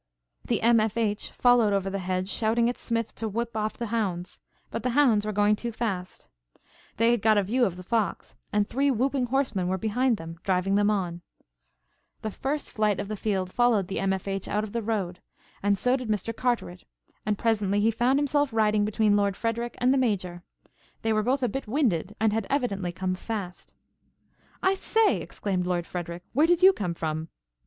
The M. F. H. followed over the hedge shouting at Smith to whip off the hounds. But the hounds were going too fast. They had got a view of the fox and three whooping horsemen were behind them driving them on. The first flight of the field followed the M. F. H. out of the road, and so did Mr. Carteret, and presently he found himself riding between Lord Frederic and the Major. They were both a bit winded and had evidently come fast. "I say," exclaimed Lord Frederic, "where did you come from?"